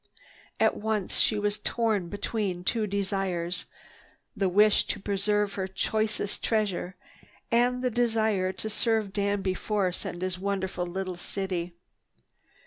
At once she was torn between two desires—the wish to preserve her choicest treasure and her desire to serve Danby Force and his wonderful little city.